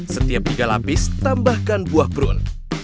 setiap tiga lapis tambahkan buah brun